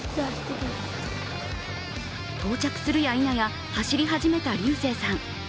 到着するやいなや、走り始めた龍征さん。